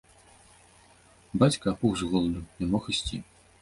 Бацька апух з голаду, не мог ісці.